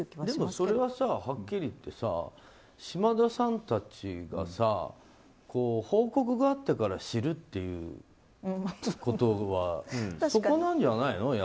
でも、それははっきり言って島田さんたちがさ報告があってから知るということはそこなんじゃないの？